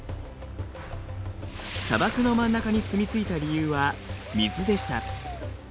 砂漠の真ん中に住み着いた理由は水でした。